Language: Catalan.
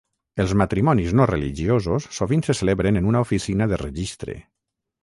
Els matrimonis no religiosos sovint se celebren en una oficina de registre.